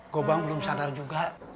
gobang belum sadar juga